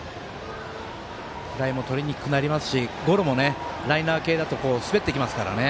フライもとりにくくなりますしゴロもライナー系だと滑っていきますからね。